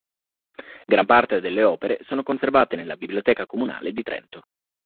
Gran parte delle opere sono conservate nella Biblioteca comunale di Trento.